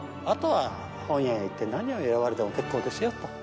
あとは本屋へ行って何を選ばれても結構ですよと。